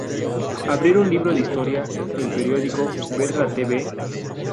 Abrir un libro de historia, el periódico, ver la t.v.